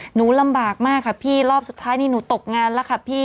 หนูลำบากมากค่ะพี่รอบสุดท้ายนี่หนูตกงานแล้วค่ะพี่